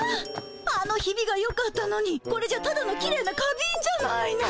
あのひびがよかったのにこれじゃあただのきれいな花びんじゃないの。